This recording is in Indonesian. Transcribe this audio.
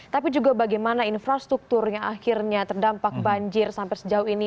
tapi juga bagaimana infrastruktur yang akhirnya terdampak banjir sampai sejauh ini